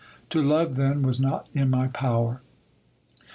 To love, then, was not in my power.